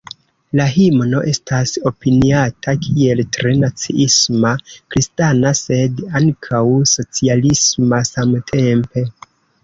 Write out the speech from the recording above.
La himno estas opiniata kiel tre naciisma, kristana sed ankaŭ socialisma samtempe.